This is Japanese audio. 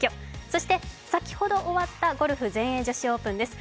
そして先ほど終わったゴルフ全英女子オープンです。